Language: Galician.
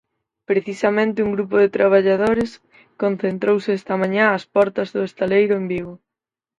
Precisamente un grupo de traballadores concentrouse esta mañá ás portas do estaleiro en Vigo.